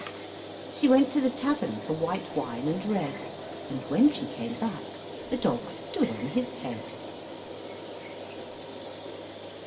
She went to the tavern for white wine and red, And when she came back the dog stood on his head.